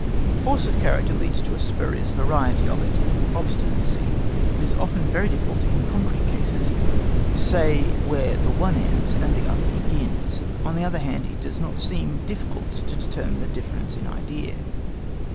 Force of character leads us to a spurious variety of it—OBSTINACY. It is often very difficult in concrete cases to say where the one ends and the other begins; on the other hand, it does not seem difficult to determine the difference in idea.